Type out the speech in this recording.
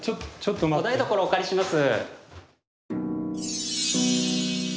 お台所お借りします。